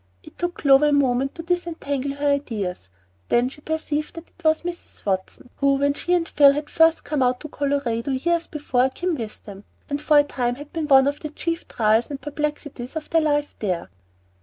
It took Clover a moment to disentangle her ideas; then she perceived that it was Mrs. Watson, who, when she and Phil first came out to Colorado, years before, came with them, and for a time had been one of the chief trials and perplexities of their life there.